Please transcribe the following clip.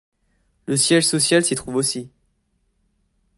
Le siège social s'y trouve aussi.